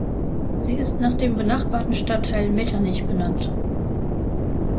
Sie ist nach dem benachbarten Stadtteil Metternich benannt.